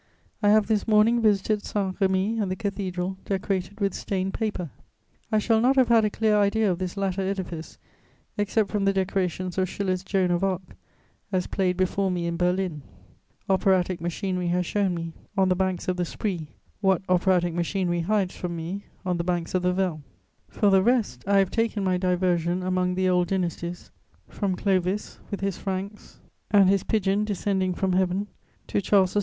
I have this morning visited Saint Remi and the Cathedral decorated with stained paper. I shall not have had a clear idea of this latter edifice, except from the decorations of Schiller's Joan of Arc, as played before me in Berlin: operatic machinery has shown me, on the banks of the Spree, what operatic machinery hides from me, on the banks of the Vesle; for the rest, I have taken my diversion among the old dynasties, from Clovis, with his Franks and his pigeon descending from Heaven, to Charles VII.